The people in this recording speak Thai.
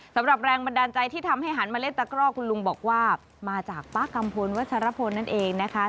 แรงบันดาลใจที่ทำให้หันมาเล่นตะกรอกคุณลุงบอกว่ามาจากป้ากัมพลวัชรพลนั่นเองนะคะ